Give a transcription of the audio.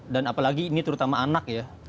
apalagi ini terutama anak ya